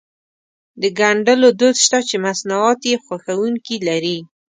د ګنډلو دود شته چې مصنوعات يې خوښوونکي لري.